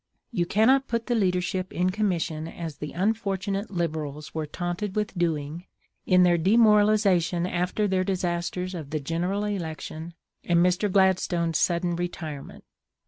You cannot put the leadership in commission as the unfortunate Liberals were taunted with doing, in their demoralisation after their disasters of the General Election and Mr. Gladstone's sudden retirement.